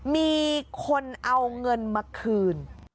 มีคนเอาเงินมาคืน